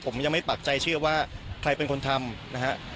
ผมยังไม่ปักใจเชื่อว่าใครเป็นคนทำนะฮะ